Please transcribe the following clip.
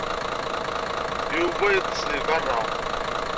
Yuba yeṭṭes deg beṛṛa.